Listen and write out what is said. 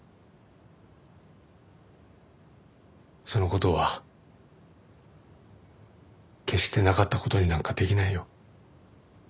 その事は決してなかった事になんかできないよ。